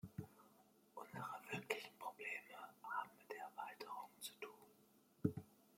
Unsere wirklichen Probleme haben mit der Erweiterung zu tun.